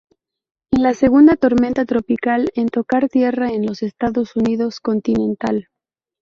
Y la segunda tormenta tropical en tocar tierra en los Estados Unidos continental.